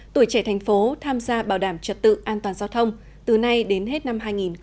tuổi trẻ thành phố tham gia bảo đảm trật tự an toàn giao thông từ nay đến hết năm hai nghìn hai mươi